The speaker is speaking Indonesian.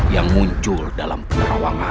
yang muncul dalam penerawangan